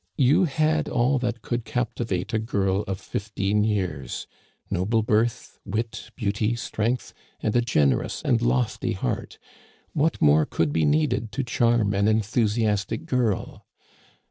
You had all that could captivate a girl of fifteen years — ^noble birth, wit, beauty, strength, and a generous and lofty heart. What more could be needed to charm an enthusiastic girl.?